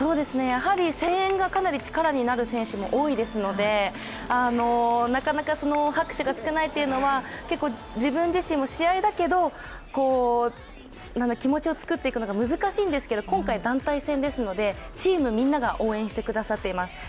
やはり声援がかなり力になる選手も多いですので、なかなか拍手が少ないというのは自分自身も試合だけど気持ちを作っていくのが難しいんですけど、今回、団体戦ですのでチームみんなが応援してくださってます。